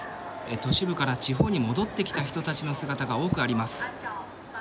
都市部から地方に戻ってきた人たちの姿が多くあります。